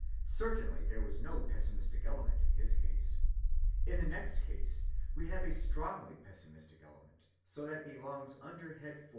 Certainly there was no pessimistic element in his case. In the next case we have a strongly pessimistic element, so that it belongs under head 4.